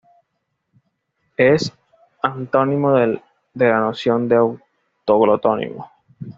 Es antónimo de la noción de autoglotónimo.